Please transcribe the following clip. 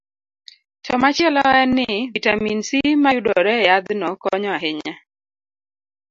To machielo en ni, vitamin C ma yudore e yadhno konyo ahinya